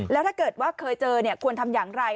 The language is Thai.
แล้วถ้าเกิดว่าเคยเจอควรทำอย่างไร